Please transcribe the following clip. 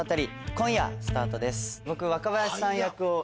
今夜スタートです！